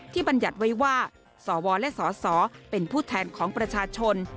บรรยัติไว้ว่าสวและสสเป็นผู้แทนของประชาชน